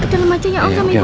ke dalam aja ya ok mabuk